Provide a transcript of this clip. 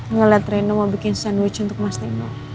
ngeliat rena mau bikin sandwich untuk mas timo